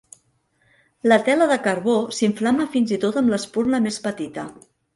La tela de carbó s'inflama fins i tot amb l'espurna més petita.